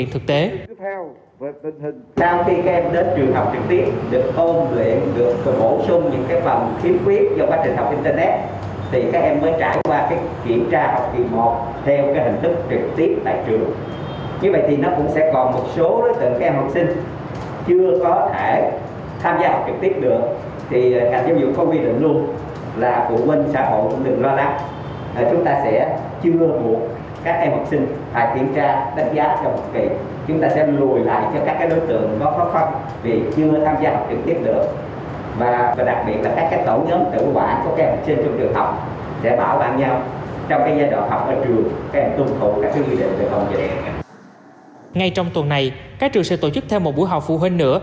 ngay trong tuần này các trường sẽ tổ chức thêm một buổi học phụ huynh nữa